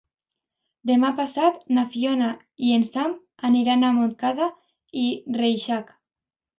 Demà passat na Fiona i en Sam aniran a Montcada i Reixac.